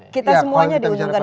kita semuanya diuntungkan